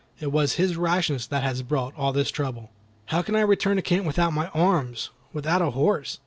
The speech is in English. It was his rashness that has brought all this trouble." "How can I return to camp without arms, without a horse?